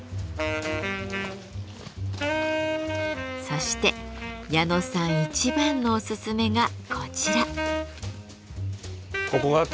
そして矢野さん一番のおすすめがこちら。